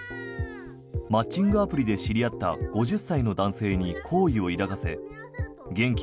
マッチングアプリで知り合った５０歳の男性に好意を抱かせ現金